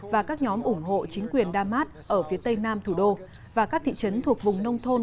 và các nhóm ủng hộ chính quyền damas ở phía tây nam thủ đô và các thị trấn thuộc vùng nông thôn